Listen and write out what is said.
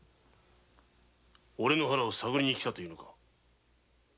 オレの腹を探りに来たと言うのか？